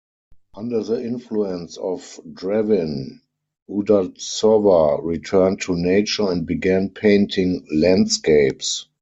Under the influence of Drevin, Udaltsova returned to nature and began painting landscapes.